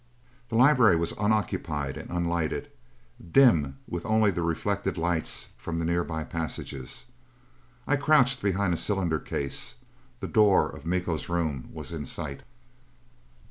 The library was unoccupied and unlighted, dim with only the reflected lights from the nearby passages. I crouched behind a cylinder case. The door of Miko's room was in sight.